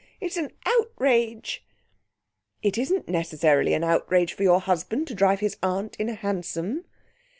It's an outrage." "It isn't necessarily an outrage for your husband to drive his aunt in a hansom."